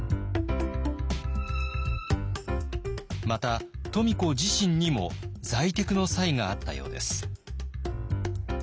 また富子自身にも財テクの才があったようです。